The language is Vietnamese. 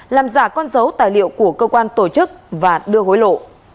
làm giả con dấu tài liệu của cơ quan tổ chức và đưa hối lộ